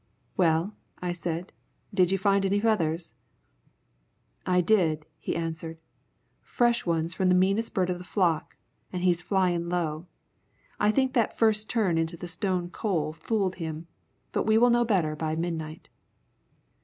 "Well," I said; "did you find any feathers?" "I did," he answered; "fresh ones from the meanest bird of the flock, an' he's flyin' low. I think that first turn into the Stone Coal fooled him. But he will know better by midnight."